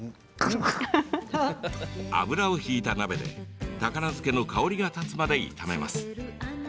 油を引いた鍋で高菜漬けの香りが立つまで炒めます。